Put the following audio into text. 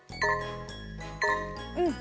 うん！